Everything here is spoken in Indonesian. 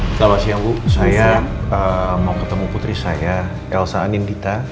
selamat siang bu saya mau ketemu putri saya elsa anindita